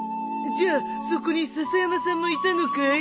じゃあそこに笹山さんもいたのかい？